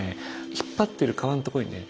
引っ張ってる革のとこにね